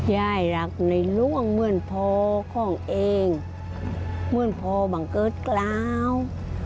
ยายรักในหลวงเหมือนพ่อของเองเหมือนพอบังเกิดกล้าว